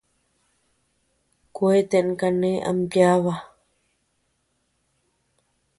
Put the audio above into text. Kueten kane ama yába.